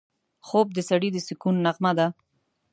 خوب د سړي د سکون نغمه ده